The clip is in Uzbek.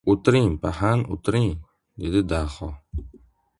— O‘tiring, paxan, o‘tiring, — dedi Daho.